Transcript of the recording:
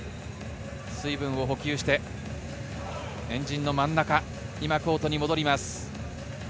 水分を補給して、円陣の真ん中、今、コートに戻ります。